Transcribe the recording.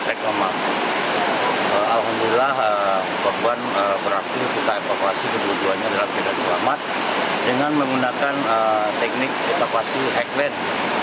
dengan menggunakan teknik evakuasi heckling